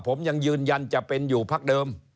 ผมยังยืนยันจะเป็นอยู่พักเดิม